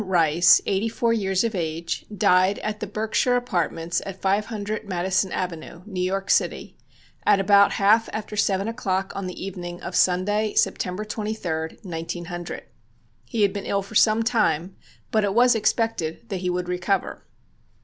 Rice, eighty four years of age, died at the Berkshire Apartments at 500 Madison Avenue, New York City, at about half after seven o'clock on the evening of Sunday, September 23, 1900. He had been ill for some time, but it was expected that he would recover.